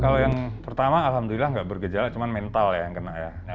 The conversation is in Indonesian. kalau yang pertama alhamdulillah nggak bergejala cuma mental ya yang kena ya